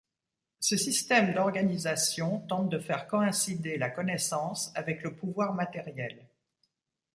Ce système d'organisation tente de faire coïncider la connaissance avec le pouvoir matériel.